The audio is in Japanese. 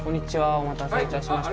お待たせいたしました。